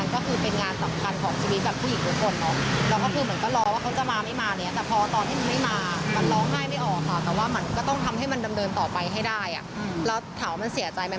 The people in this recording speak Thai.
ขอคืนเงินต่อไปให้ได้แล้วถามว่ามันเสียใจไหม